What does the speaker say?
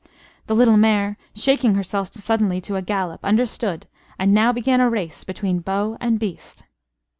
The little mare, shaking herself suddenly to a gallop, understood; and now began a race between bow and beast.